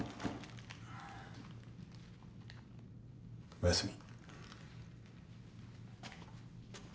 おやすみ。